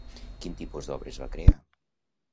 Quin tipus d'obres va crear?